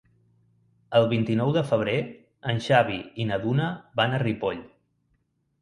El vint-i-nou de febrer en Xavi i na Duna van a Ripoll.